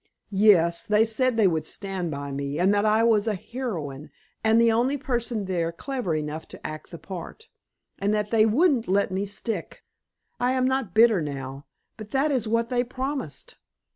Yes, they said they would stand by me, and that I was a heroine and the only person there clever enough to act the part, and that they wouldn't let me stick! I am not bitter now, but that is what they promised.